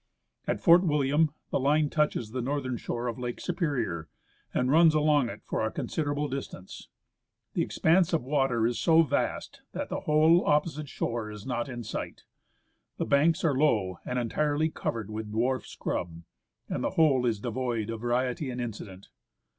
At Fort William the line touches the northern shore of Lake Superior, and runs along it for a considerable distance. The expanse of water is so vast that the opposite shore is not in sight. The banks are low and entirely covered with dwarf scrub, and the whole is devoid of variety and incident.